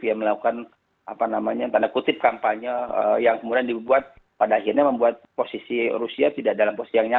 dia melakukan apa namanya tanda kutip kampanye yang kemudian dibuat pada akhirnya membuat posisi rusia tidak dalam posisi yang nyaman